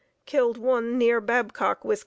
killed one near Babcock, Wis.